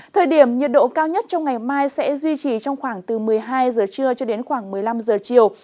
thời điểm nhiệt độ cao nhất trong ngày mai sẽ duy trì trong khoảng từ một mươi hai giờ trưa cho đến khoảng một mươi năm giờ chiều